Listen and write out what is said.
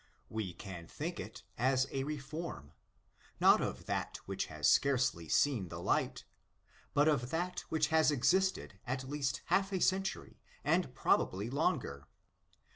We can think it as a reform, not of that which has scarcely seen the light, but of that which has existed at least half a century, and probably longer.